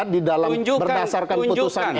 di mana kunjukan